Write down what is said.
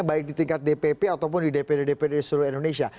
baik di tingkat dpp ataupun di dpd dpd seluruh indonesia